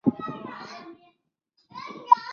高松伸建筑设计事务所主持建筑师。